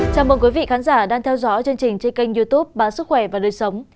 chào mừng quý vị khán giả đang theo dõi chương trình trên kênh youtube báo sức khỏe và đời sống